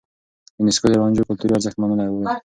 يونيسکو د رانجو کلتوري ارزښت منلی دی.